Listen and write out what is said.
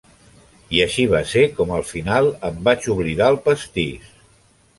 I així va ser com al final em vaig oblidar el pastís.